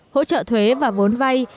hỗ trợ thuế và vốn vay